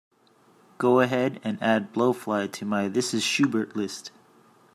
go ahead and add blowfly to my This Is Schubert list